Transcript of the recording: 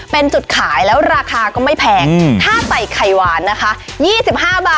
เป็นจุดขายแล้วราคาก็ไม่แพงอืมถ้าใส่ไขวานนะคะยี่สิบห้าบาท